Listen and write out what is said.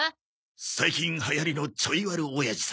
最近流行りのちょいワルおやじさ。